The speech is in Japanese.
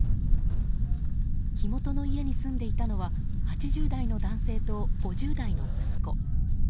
火元の家に住んでいたのは８０代の男性と５０代の息子。